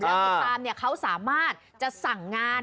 แล้วติดตามเขาสามารถจะสั่งงาน